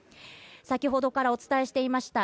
先ほどからお伝えしていました